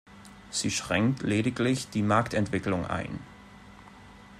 Sie schränkt lediglich die Marktentwicklung ein.